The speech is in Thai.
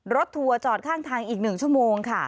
ทัวร์จอดข้างทางอีก๑ชั่วโมงค่ะ